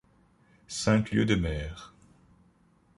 Cinq lieues de mer !